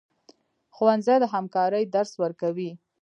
ښوونځی د همکارۍ درس ورکوي